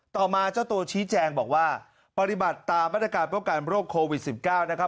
ต่อมาเจ้าตัวชี้แจงบอกว่าปฏิบัติตามมาตรการป้องกันโรคโควิด๑๙นะครับ